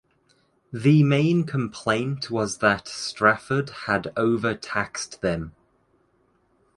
The main complaint was that Strafford had overtaxed them.